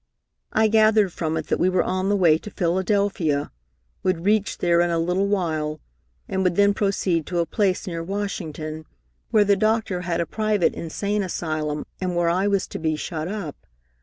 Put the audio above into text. I gathered from it that we were on the way to Philadelphia, would reach there in a little while, and would then proceed to a place near Washington, where the doctor had a private insane asylum, and where I was to be shut up.